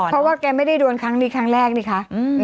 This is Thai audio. เพราะว่าแกไม่ได้โดนครั้งนี้ครั้งแรกนี่คะ